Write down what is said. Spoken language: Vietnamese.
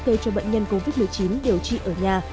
kê cho bệnh nhân covid một mươi chín điều trị ở nhà